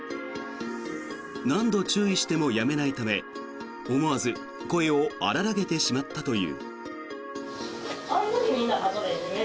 何度注意してもやめないため思わず声を荒らげてしまったという。